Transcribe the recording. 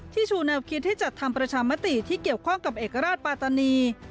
ชูแนวคิดให้จัดทำประชามติที่เกี่ยวข้องกับเอกราชปาตานี